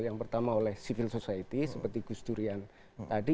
yang pertama oleh civil society seperti gusdurian tadi